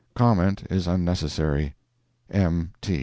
Comment is unnecessary. M.